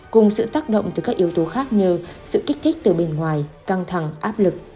cùng sự tác động từ các yếu tố khác nhờ sự kích thích từ bên ngoài căng thẳng áp lực